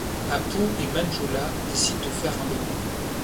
Apu et Manjula décident de faire un bébé.